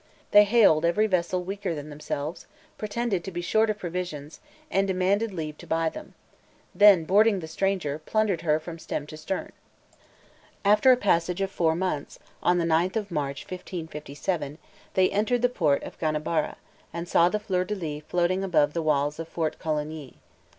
They hailed every vessel weaker than themselves, pretended to be short of provisions, and demanded leave to buy them; then, boarding the stranger, plundered her from stem to stern. After a passage of four months, on the ninth of March, 1557, they entered the port of Ganabara, and saw the fleur de lis floating above the walls of Fort Coligny.